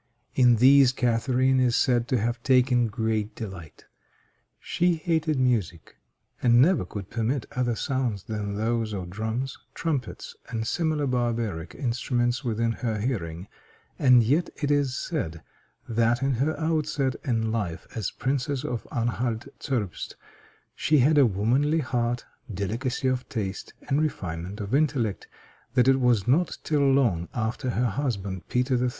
In these Catharine is said to have taken great delight. She hated music, and never could permit other sounds than those of drums, trumpets, and similar barbaric instruments within her hearing; and yet it is said that, in her outset in life as Princess of Anhalt Zerbst, she had a womanly heart, delicacy of taste, and refinement of intellect; that it was not till long after her husband, Peter III.